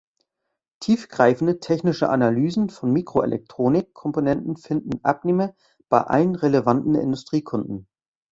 Tiefgreifende technische Analysen von Mikroelektronik-Komponenten finden Abnehmer bei allen relevanten Industriekunden.